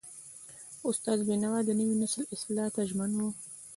استاد بینوا د نوي نسل اصلاح ته ژمن و.